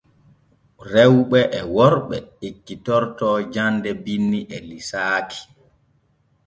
Rewɓe e worɓe ekkitorto jande binni e liisaaki.